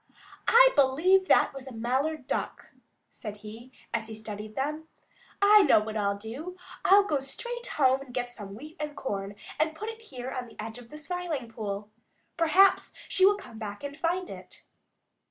"I believe that was a Mallard Duck," said he, as he studied them. "I know what I'll do. I'll go straight back home and get some wheat and corn and put it here on the edge of the Smiling Pool. Perhaps she will come back and find it."